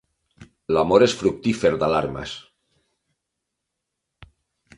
L'amor és fructífer d'alarmes